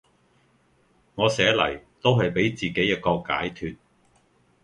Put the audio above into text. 我寫嚟都係俾自己有個解脫